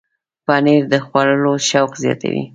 پنېر د خوړو شوق زیاتوي.